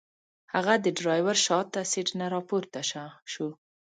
هغه د ډرایور شاته سیټ نه راپورته شو.